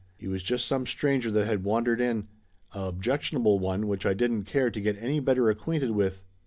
He was just some stranger that had wandered in: a objectionable one which I didn't care to get any better acquainted with.